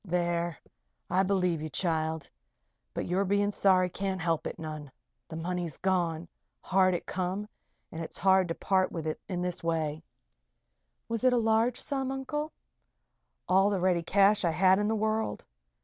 "There! I believe you be, child. But your being sorry can't help it none. The money's gone hard it come and it's hard to part with in this way." "Was it a large sum, Uncle?" "All the ready cash I had in the world.